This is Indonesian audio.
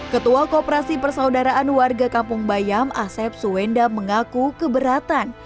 ketua koperasi persaudaraan warga kampung bayam asep suwenda mengaku keberatan